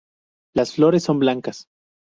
Las flores son blancas.